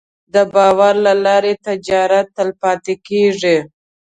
د باور له لارې تجارت تلپاتې کېږي.